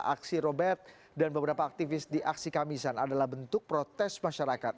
aksi robert dan beberapa aktivis di aksi kamisan adalah bentuk protes masyarakat